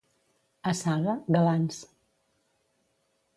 A Saga, galants.